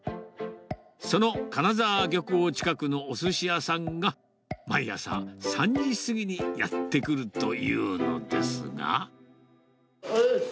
その金沢漁港近くのおすし屋さんが、毎朝３時過ぎにやって来るというのですが。